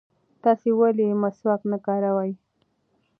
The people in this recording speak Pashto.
تاسې ولې مسواک نه کاروئ؟